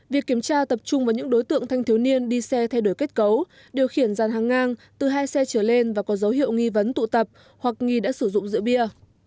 việc kiểm tra tập trung vào những đối tượng thanh thiếu niên đi xe thay đổi kết cấu điều khiển dàn hàng ngang từ hai xe trở lên và có dấu hiệu nghi vấn tụ tập hoặc nghi đã sử dụng rượu bia